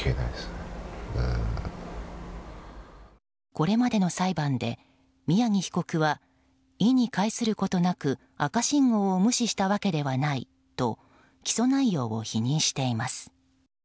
これまでの裁判で宮城被告は意に介することなく赤信号を無視したわけではないと起訴内容を否認しています。